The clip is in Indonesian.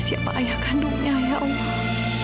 siapa ayah kandungnya ya allah